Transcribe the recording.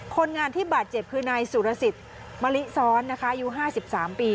คนงานที่บาดเจ็บคือนายสุรสิทธิ์มะลิซ้อนนะคะอายุ๕๓ปี